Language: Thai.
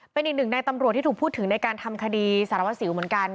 เป็นอีกหนึ่งในตำรวจที่ถูกพูดถึงในการทำคดีสารวัสสิวเหมือนกัน